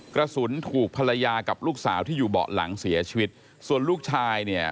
กระสุนถูกภรรยากับลูกสาวที่อยู่เบาะหลังเสียชีวิตส่วนลูกชายเนี่ย